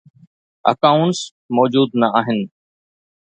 Accounts موجوده نه آهن.